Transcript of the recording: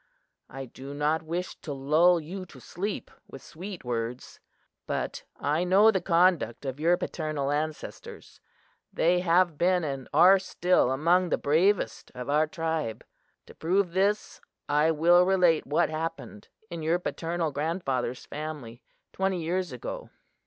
I do not wish to lull you to sleep with sweet words; but I know the conduct of your paternal ancestors. They have been and are still among the bravest of our tribe. To prove this, I will relate what happened in your paternal grandfather's family, twenty years ago.